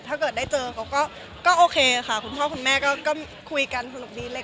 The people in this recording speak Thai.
ถ้าเกิดได้เจอเขาก็โอเคค่ะคุณพ่อคุณแม่ก็คุยกันสนุกดีเลย